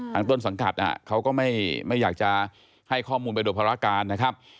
ต้นสังกัดเขาก็ไม่อยากจะให้ข้อมูลไปโดยภารการนะครับ